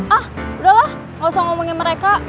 ah udahlah gak usah ngomongin mereka